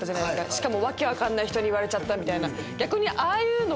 しかも訳わかんない人に言われちゃったみたいな。